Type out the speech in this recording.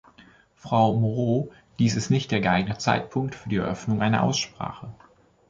Frau Moreau, dies ist nicht der geeignete Zeitpunkt für die Eröffnung einer Aussprache.